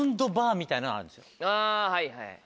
あぁはいはい。